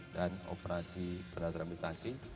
dan operasi pendaratan amfibi